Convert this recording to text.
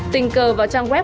tình cờ vào trang web